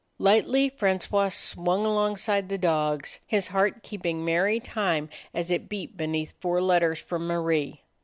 Lightly Francois swung alongside the dogs, his heart keeping merry time as it beat beneath four letters from Marie.